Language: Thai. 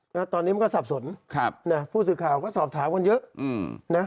แล้วตอนนี้มันก็สับสนครับนะผู้สื่อข่าวก็สอบถามกันเยอะอืมนะ